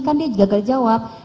kan dia gagal jawab